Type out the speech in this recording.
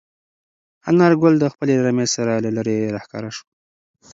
انارګل د خپلې رمې سره له لیرې راښکاره شو.